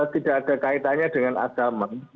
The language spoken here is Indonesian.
tidak ada kaitannya dengan agama